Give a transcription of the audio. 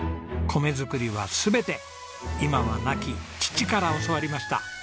米作りは全て今は亡き父から教わりました。